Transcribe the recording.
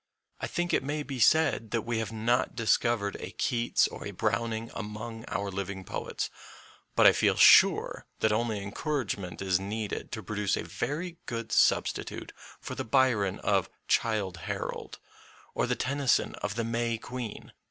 I think it may be said that we have not discovered a Keats or a Browning among our living poets, but I feel sure that only encouragement is needed to produce a very good substitute for the Byron of " Childe Harold " or the Tennyson of the "May Queen."